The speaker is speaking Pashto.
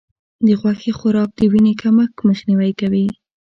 د غوښې خوراک د وینې کمښت مخنیوی کوي.